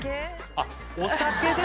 あっお酒で？